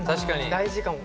大事かも。